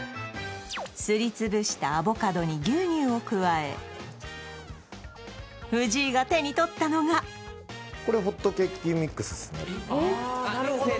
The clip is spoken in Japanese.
すりつぶしたアボカドに牛乳を加え藤井が手に取ったのがこれホットケーキミックスっすねえっ？